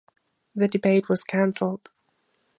The debate was canceled.